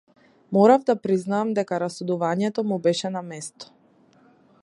Морав да признаам дека расудувањето му беше на место.